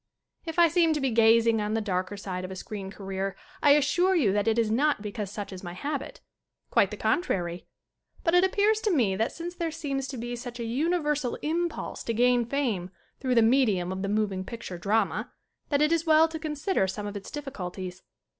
If I seem to be gazing on the darker side of a screen career I assure you that it is not be cause such is my habit. Quite the contrary. SCREEN ACTING 31 But it appears to me that since there seems to be such a universal impulse to gain fame through the medium of the moving picture drama that it is as well to consider some of its difficulties.